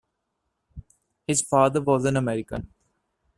His father was an American.